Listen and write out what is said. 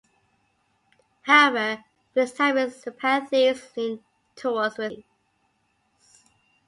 However, with time his sympathies leaned towards the Allies.